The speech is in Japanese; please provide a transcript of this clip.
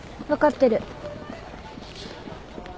分かってる。